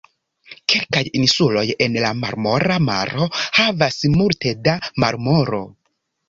Kelkaj insuloj en la Marmora Maro havas multe da marmoro.